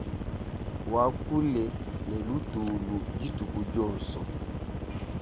Wakule ne lutulu dituku dionso.